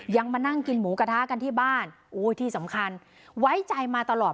มานั่งกินหมูกระทะกันที่บ้านโอ้ยที่สำคัญไว้ใจมาตลอด